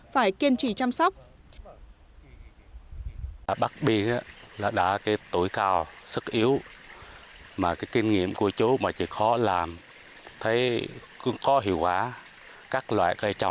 phải kiên trì chăm sóc